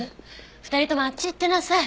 ２人ともあっち行ってなさい。